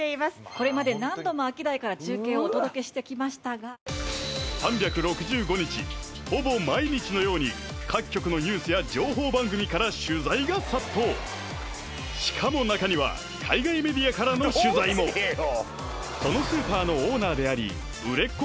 これまで何度もアキダイから中継をお届けしてきましたが３６５日ほぼ毎日のように各局のニュースや情報番組から取材が殺到しかもなかには海外メディアからの取材もそのスーパーのオーナーであり売れっ子